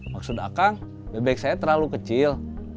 maksud akag bebek saya terlalu kecil